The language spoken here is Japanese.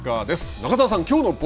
中澤さん